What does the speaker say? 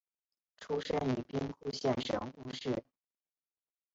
出身于兵库县神户市。